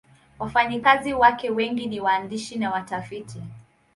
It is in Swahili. Wafanyakazi wake wengi ni waandishi na watafiti.